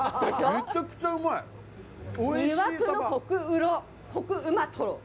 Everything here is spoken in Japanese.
魅惑のコクとろ、コクうまとろ。